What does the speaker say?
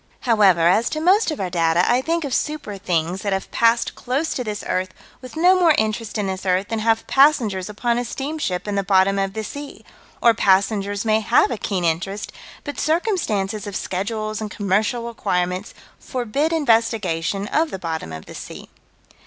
However, as to most of our data, I think of super things that have passed close to this earth with no more interest in this earth than have passengers upon a steamship in the bottom of the sea or passengers may have a keen interest, but circumstances of schedules and commercial requirements forbid investigation of the bottom of the sea.